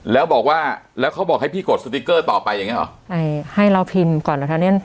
แล้วบอกว่าแล้วเขาบอกให้พี่กดสติ๊กเกอร์ต่อไปอย่างเงี้หรอให้ให้เราพิมพ์ก่อนนะคะเนี่ย